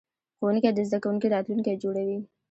ښوونکی د زده کوونکي راتلونکی جوړوي.